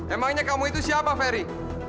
emangnya kamu itu siapa ferry